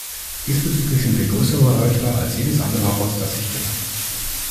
Diesbezüglich sind wir größere Heuchler als jedes andere Haus, das ich kenne.